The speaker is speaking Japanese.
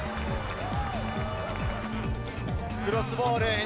クロスボール！